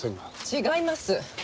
違います。